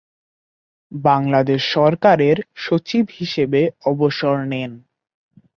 বাংলাদেশ সরকারের সচিব হিসেবে অবসর নেন।